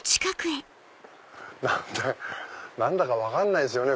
何だか分かんないですよね